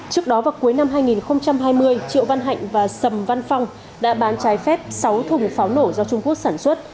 trước đó vào cuối năm hai nghìn hai mươi triệu văn hạnh và sầm văn phong đã bán trái phép sáu thùng pháo nổ do trung quốc sản xuất